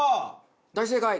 大正解！